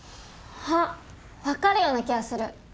あっ分かるような気がする。